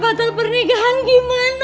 batal pernikahan gimana pi